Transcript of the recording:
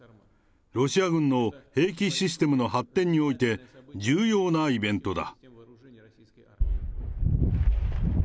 ロシア軍の兵器システムの発展において重要なイベントだ。